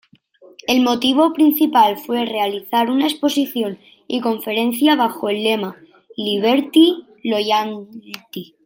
El motivo principal fue realizar una exposición y conferencia bajo el lema "Liberty-Loyalty".